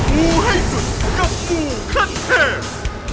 งูให้สุดกับงูขั้นเทพ